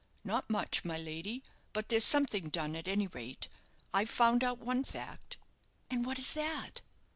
"Not much, my lady; but there's something done, at any rate. I've found out one fact." "And what is that?"